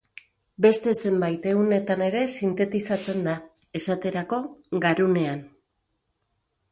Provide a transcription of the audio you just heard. Beste zenbait ehunetan ere sintetizatzen da, esaterako, garunean.